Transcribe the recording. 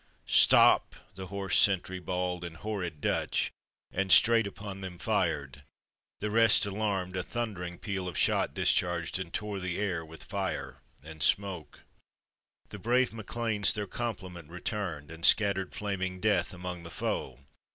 "Stop!" the hoarse sentry bawled In horrid Dutch, and straight upon them fired; The rest alarmed, a thundering peal of shot Discharged, and tore the air with fire and smoke. The brave MacLeans their compliment returned, And scattered flaming death among the foe.